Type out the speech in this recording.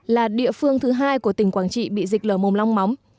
là địa phương thứ hai của tỉnh quảng trị bị dịch lở mồm long móng